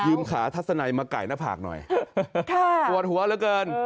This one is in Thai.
ยืมขาทัศนัยมะไก่หน้าผากหน่อยจวดหัวแล้วเกิน